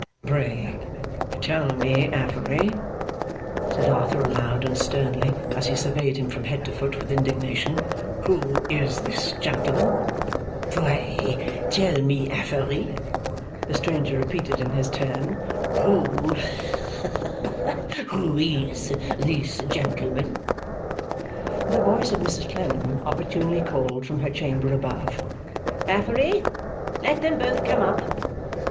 'Pray tell me, Affery,' said Arthur aloud and sternly, as he surveyed him from head to foot with indignation; 'who is this gentleman?' 'Pray tell me, Affery,' the stranger repeated in his turn, 'who ha, ha, ha! who is this gentleman?' The voice of Mrs Clennam opportunely called from her chamber above, 'Affery, let them both come up.